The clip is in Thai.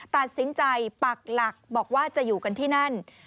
ตัดสินใจปักหลักบอกว่าจะอยู่กันที่นั่น